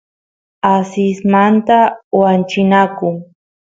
asismanta wanchinaku